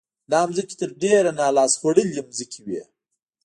دا ځمکې تر ډېره نا لاس خوړلې ځمکې وې.